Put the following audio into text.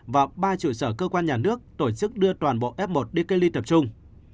và ba trụ sở cơ quan nhà nước tổ chức đưa toàn bộ f một đi cách ly tập trung